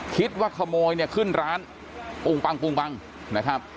คิดว่าขโมยขึ้นร้านปุ่งปังนะครับ